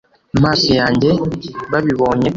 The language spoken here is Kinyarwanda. amaso yanjye babibonye